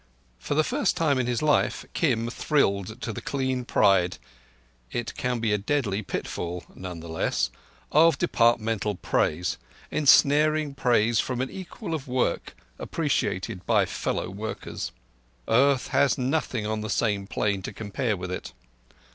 For the first time in his life, Kim thrilled to the clean pride (it can be a deadly pitfall, none the less) of Departmental praise—ensnaring praise from an equal of work appreciated by fellow workers. Earth has nothing on the same plane to compare with it.